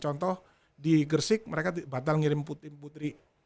contoh di gersik mereka batal ngirim putin putri